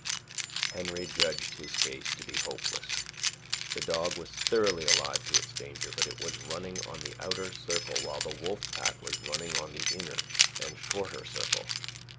Henry judged his case to be hopeless. The dog was thoroughly alive to its danger, but it was running on the outer circle while the wolf pack was running on the inner and shorter circle.